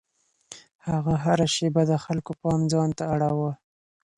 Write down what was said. هغه هره شېبه د خلکو پام ځان ته اړاوه.